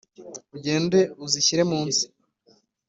ugende uzishyire munsi